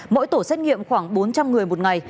mỗi tổ xét nghiệm khoảng bốn trăm linh người một ngày